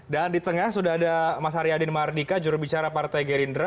dan di tengah sudah ada mas aryadin mardika jurubicara partai gerindra